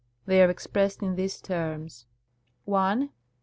They are expressed in these terms :" 1.